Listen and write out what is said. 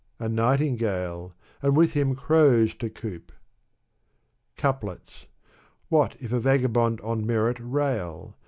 A nightingale — and with him crows to coop ! Couplets. What if a vagabond on merit rail?